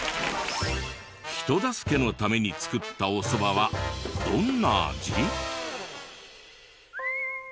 人助けのために作ったお蕎麦はどんな味？